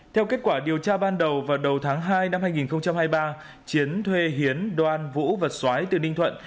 theo kết quả điều tra ban đầu vào đầu tháng hai năm hai nghìn hai mươi ba chiến thuê hiến đoan vũ và xoái từ ninh thuận